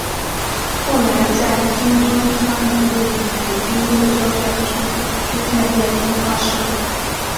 后来在今中山五路与北京路交界处出现夜间花市。